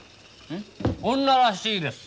うん？女らしいです。